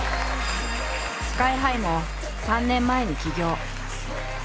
ＳＫＹ−ＨＩも３年前に起業。